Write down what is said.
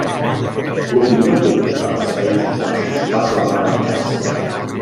L'opinió pública als Països Baixos va clamar venjança.